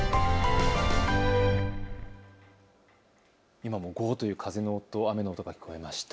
今もごーっというという風の音、雨の音が聞こえました。